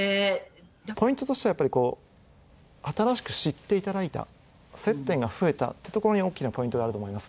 ポイントとしてはやっぱりこう新しく知っていただいた接点が増えたってところに大きなポイントがあると思います。